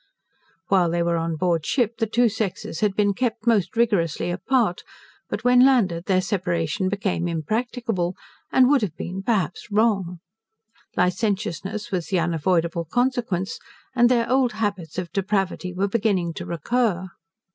While they were on board ship, the two sexes had been kept most rigorously apart; but, when landed, their separation became impracticable, and would have been, perhaps, wrong. Licentiousness was the unavoidable consequence, and their old habits of depravity were beginning to recur.